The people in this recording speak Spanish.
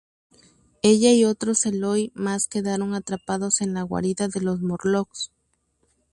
Ella y otros Eloi más quedan atrapados en la guarida de los Morlocks.